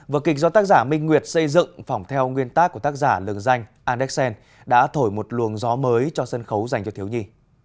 vở kịch do tác giả minh nguyệt xây dựng phỏng theo nguyên tác của tác giả lường danh anderson đã thổi một luồng gió mới cho sân khấu dành cho thiếu nhi